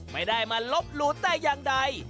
ไม่ได้มาลบหลู่แต่อย่างใด